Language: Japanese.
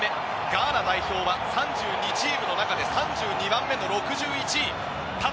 ガーナ代表は３２チームの中で３２番目の６１位です。